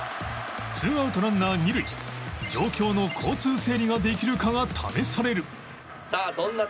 ２アウトランナー二塁状況の交通整理ができるかが試される